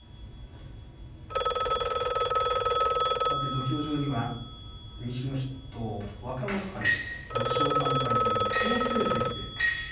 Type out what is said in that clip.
土俵上には西の筆頭、若元春６勝３敗という好成績。